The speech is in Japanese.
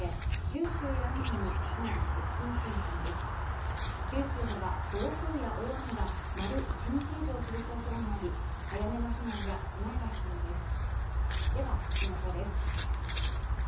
九州では暴風や大雨が丸１日以上続くおそれもあり、早めの避難や備えが必要です。